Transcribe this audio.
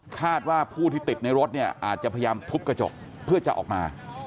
คาดว่าผู้ที่ติดในรถเนี่ยอาจจะพยายามทุบกระจกเพื่อจะออกมา